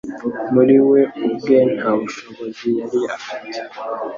Muri we ubwe nta bushobozi yari afite.